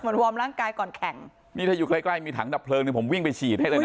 วอร์มร่างกายก่อนแข่งนี่ถ้าอยู่ใกล้ใกล้มีถังดับเพลิงเนี่ยผมวิ่งไปฉีดให้เลยนะ